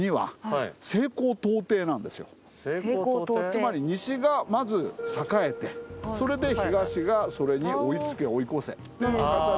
つまり西がまず栄えてそれで東がそれに追いつけ追い越せっていう形で。